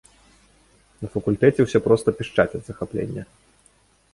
На факультэце ўсе проста пішчаць ад захаплення.